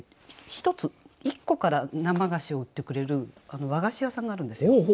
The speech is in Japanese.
１つ１個から生菓子を売ってくれる和菓子屋さんがあるんですよ。